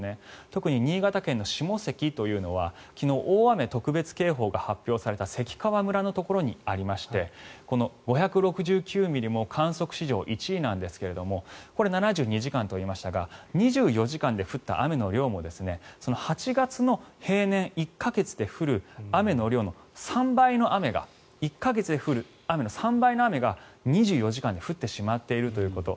特に新潟県の下関というのは昨日、大雨特別警報が発表された関川村のところにありましてこの５６９ミリも観測史上１位なんですがこれ、７２時間取りましたが２４時間で降った雨の量も８月の平年１か月で降る雨の量の３倍の雨が１か月で降る３倍の雨が２４時間で降ってしまっているということ。